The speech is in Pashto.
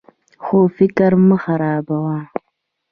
خو فکر مه خرابوه.